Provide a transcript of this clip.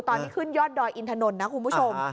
ตอนที่ขึ้นยอดดอยอินถนนนะคุณผู้ชม